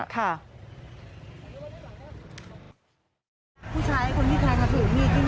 อยากเป็นเฟย์มาชนแล้วก็ล้มอยู่ตรงนั้นเลย